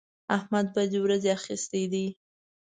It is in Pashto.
احمد بدې ورځې اخيستی دی.